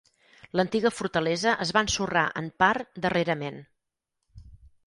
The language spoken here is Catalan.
L'antiga fortalesa es va ensorrar en part darrerament.